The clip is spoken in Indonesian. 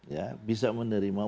ya bisa menerima